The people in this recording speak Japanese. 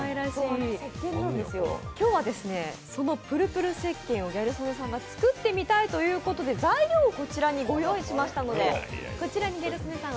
今日はそのプルプルせっけんをギャル曽根さんが作ってみたいということで材料をこちらにご用意しましたので、ギャル曽根さん